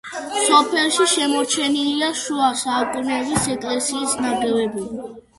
სოფელში შემორჩენილია შუა საუკუნეების ეკლესიის ნანგრევები.